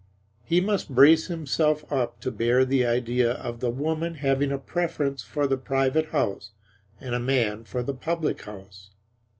He must brace himself up to bear the idea of the woman having a preference for the private house and a man for the public house.